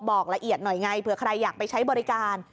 บอกละเอียดหน่อยไงเผื่อใครอยากไปใช้บริการ